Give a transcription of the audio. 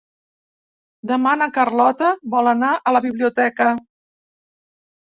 Demà na Carlota vol anar a la biblioteca.